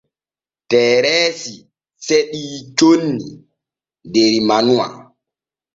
Tereesi seɗii conni der manuwa.